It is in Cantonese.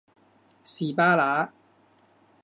士巴拿